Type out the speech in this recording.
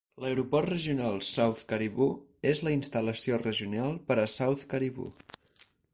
L'Aeroport Regional South Cariboo és la instal·lació regional per a South Cariboo.